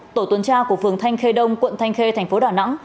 tổ tuần tra của phường thanh khê đông quận thanh khê thành phố đà nẵng